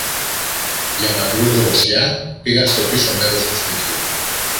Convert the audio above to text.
Για να βρουν δροσιά, πήγαν στο πίσω μέρος του σπιτιού